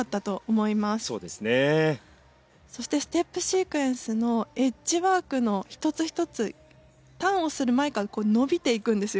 そしてステップシークエンスのエッジワークの１つ１つターンをする前から伸びていくんですよね。